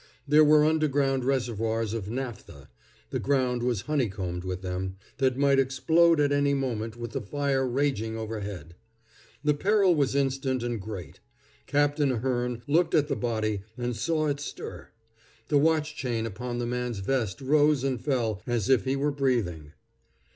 There were underground reservoirs of naphtha the ground was honeycombed with them that might explode at any moment with the fire raging overhead. The peril was instant and great. Captain Ahearn looked at the body, and saw it stir. The watch chain upon the man's vest rose and fell as if he were breathing.